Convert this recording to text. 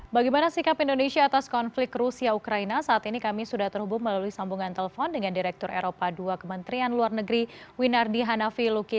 bagaimana sikap indonesia atas konflik rusia ukraina saat ini kami sudah terhubung melalui sambungan telepon dengan direktur eropa ii kementerian luar negeri winardi hanafi luki